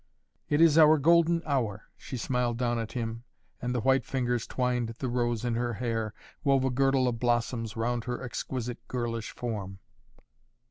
"It is our golden hour," she smiled down at him, and the white fingers twined the rose in her hair, wove a girdle of blossoms round her exquisite, girlish form.